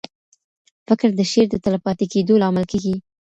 فکر د شعر د تلپاتې کېدو لامل کېږي.